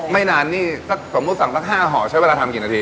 ไม่นานนี่ถ้าสมมุติสั่งสัก๕ห่อใช้เวลาทำกี่นาที